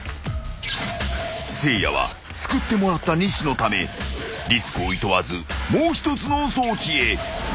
［せいやは救ってもらった西のためリスクをいとわずもう一つの装置へ］